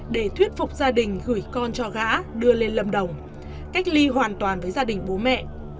để thuyết phục gia đình gửi con cho gã đưa lên lâm đồng cách ly hoàn toàn với gia đình bố mẹ